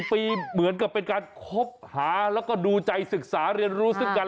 ปีเหมือนกับเป็นการคบหาแล้วก็ดูใจศึกษาเรียนรู้ซึ่งกัน